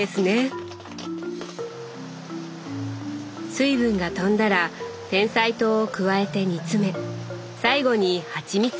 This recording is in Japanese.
水分が飛んだらてんさい糖を加えて煮詰め最後にはちみつも。